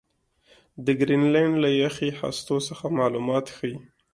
د ګرینلنډ له یخي هستو څخه معلومات ښيي.